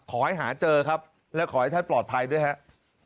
ขอให้หาเจอครับและขอให้ท่านปลอดภัยด้วยครับ